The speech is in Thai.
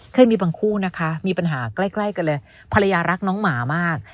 เคยมีบางคู่นะคะมีปัญหาใกล้กันเลยภรรยารักน้องหมามาก